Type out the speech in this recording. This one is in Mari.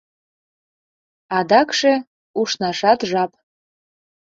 Адакше... ушнашат жап».